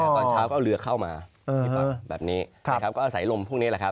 ตอนเช้าก็เอาเรือเข้ามาแบบนี้ก็อาศัยลมพวกนี้